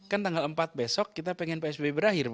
kan tanggal empat besok kita pengen psbb berakhir